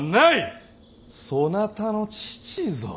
そなたの父ぞ。